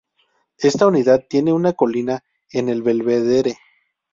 Esta unidad tiene una colina en el Belvedere.